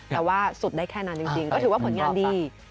แต่ว่าสุดได้แค่นั้นจริงก็ถือว่าผลงานดี